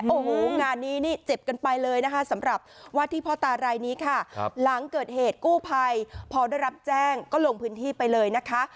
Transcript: โอ้โหงานนี้นี่เจ็บกันไปเลยนะคะสำหรับวาดที่พ่อตารายนี้ค่ะหลังเกิดเหตุกู้ภัยพอได้รับแจ้งก็ลงพื้นที่ไปเลยนะคะ